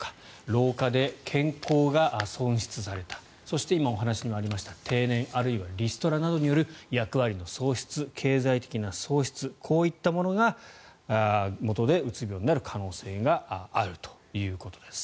老化で健康が喪失されたそして、今お話にもありました定年あるいはリストラなどによる役割の喪失、経済的な喪失こういったものがもとでうつ病になる可能性があるということです。